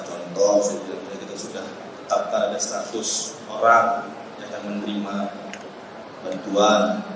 contohnya kita sudah tetapkan ada seratus orang yang menerima bantuan